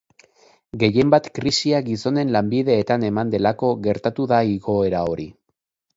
Gehien bat krisia gizonen lanbideetan eman delako gertatu da igoera hori.